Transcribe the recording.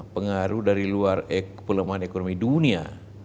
pengaruh dari luar pelemahan ekonomi dunia